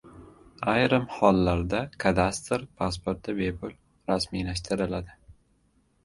Ayrim hollarda kadastr pasporti bepul rasmiylashtiriladi